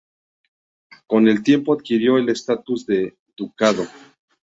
Con el tiempo adquirió el estatus de Ducado.